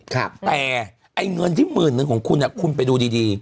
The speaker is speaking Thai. แต่ไอ้เงินที่หมื่นนึงของคุณอ่ะคุณไปดูดีดี